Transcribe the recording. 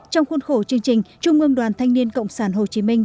trong khuôn khổ chương trình trung ương đoàn thanh niên cộng sản hồ chí minh